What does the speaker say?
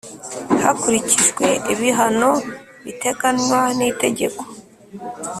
hakurikijwe ibihano biteganywa n Itegeko